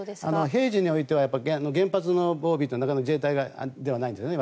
平時においては原発の防衛はなかなか自衛隊ではないんですね。